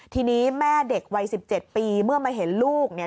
ทีนี้แม่เด็กวัย๑๗ปีเมื่อมาเห็นลูกเนี่ย